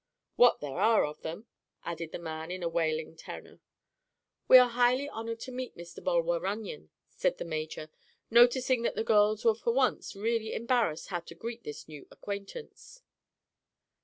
"What there are of them," added the man in a wailing tenor. "We are highly honored to meet Mr. Bulwer Runyon," said the major, noticing that the girls were for once really embarrassed how to greet this new acquaintance.